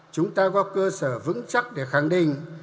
chúng ta có cơ sở vững chắc để khẳng định